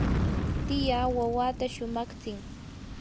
tiyaa wawata shumaqtsin.